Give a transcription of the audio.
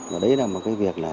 và đấy là một cái việc